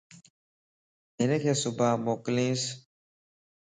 ھنک صبان موڪلينس